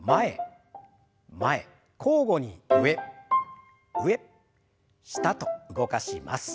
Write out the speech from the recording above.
交互に上上下と動かします。